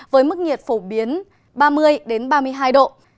với mức nhiệt phổ biến ba mươi ba mươi hai độ